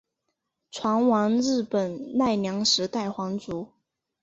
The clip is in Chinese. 船王日本奈良时代皇族。